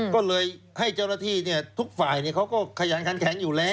ก็เลยให้เจ้าหน้าที่ทุกฝ่ายเขาก็ขยันขันแข็งอยู่แล้ว